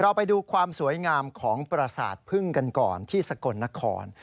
ไปดูความสวยงามของประสาทพึ่งกันก่อนที่สกลนคร